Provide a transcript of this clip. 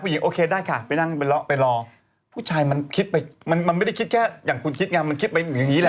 โอเคได้ค่ะไปนั่งไปรอผู้ชายมันคิดไปมันไม่ได้คิดแค่อย่างคุณคิดไงมันคิดไปอย่างนี้แหละ